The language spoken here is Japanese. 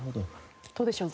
どうでしょう？